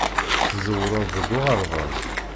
Tẓewreḍ deg uɣerbaz.